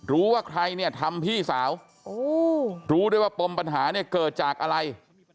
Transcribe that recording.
รู้ว่าใครเนี่ยทำพี่สาวรู้ได้ว่าปมปัญหาเนี่ยเกิดจากอะไร